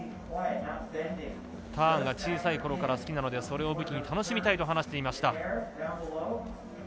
ターンが小さいころから好きなのでそれを武器に楽しみたいと話していました。